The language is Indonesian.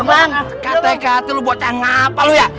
lu bang kata kata lu buatan yang apa lu ya